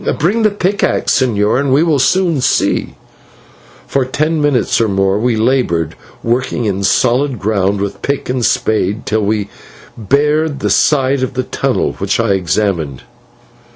Bring the pickaxe, señor, and we will soon see." For ten minutes or more we laboured, working in soft ground with pick and spade till we bared the side of a tunnel, which I examined.